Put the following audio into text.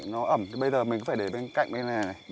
nó ẩm bây giờ mình phải để bên cạnh bên này này